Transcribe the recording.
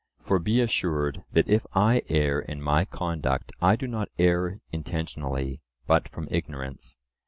For be assured that if I err in my own conduct I do not err intentionally, but from ignorance.